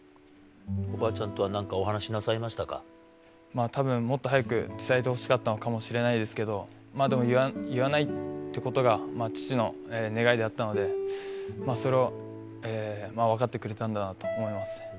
おばあちゃんとは何かお話なたぶんもっと早く伝えてほしかったのかもしれないですけど、でも、言わないってことが、父の願いであったので、それを分かってくれたんだなと思います。